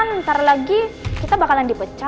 palingan ntar lagi kita bakalan dipecat